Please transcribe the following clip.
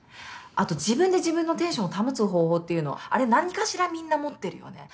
あと自分で自分のテンションを保つ方法っていうのあれ何かしらみんな持ってるよね。